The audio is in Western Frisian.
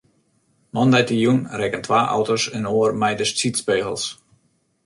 Moandeitejûn rekken twa auto's inoar mei de sydspegels.